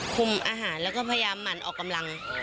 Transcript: คุมอาหารแล้วก็พยายามหมั่นออกกำลัง